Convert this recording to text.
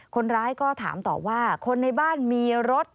คนร้ายก็ถามต่อว่าคนในบ้านมีรถ